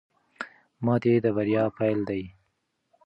ماتې د بریا پیل دی.